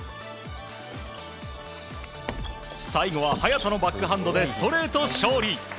最後は、早田のバックハンドでストレート勝利！